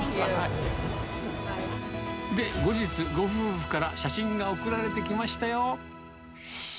で、後日、ご夫婦から写真が送られてきましたよ。